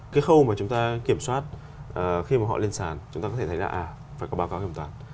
cái khâu mà chúng ta kiểm soát khi mà họ lên sàn chúng ta có thể thấy là à phải có báo cáo kiểm toán